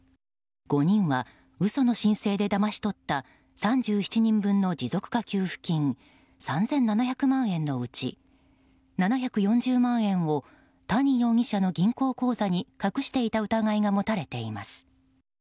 ５人は、嘘の申請でだまし取った３７人分の持続化給付金３７００万円のうち７４０万円を谷容疑者の銀行口座に隠していた疑いが持たれています。